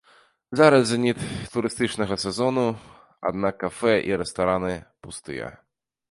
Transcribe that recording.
Зараз зеніт турыстычнага сезону, аднак кафэ і рэстараны пустыя.